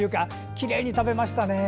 きれいに食べましたね。